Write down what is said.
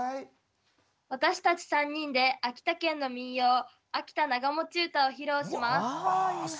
私たち３人で秋田県の民謡「秋田長持唄」を披露します。